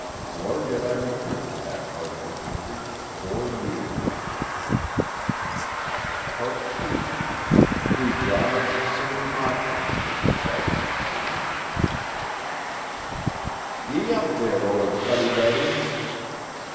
Nor did I return to that part of the county for four years. II WHO DRIVES SANE OXEN SHOULD HIMSELF BE SANE "Gee up, there, old Fuddy Duddy!"